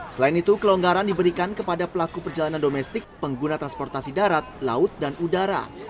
selain itu kelonggaran diberikan kepada pelaku perjalanan domestik pengguna transportasi darat laut dan udara